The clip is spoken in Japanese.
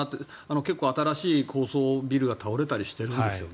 結構、新しい高層ビルが倒れたりしているんですよね。